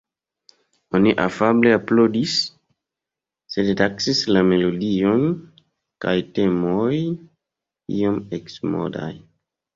Oni afable aplaŭdis, sed taksis la melodiojn kaj temojn iom eksmodaj.